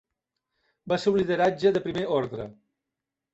Va ser un lideratge de primer ordre.